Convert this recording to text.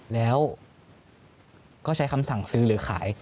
แล้วก็ใช้คำสั่งซื้อหรือขาย